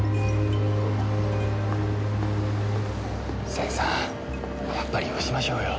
仙さんやっぱりよしましょうよ。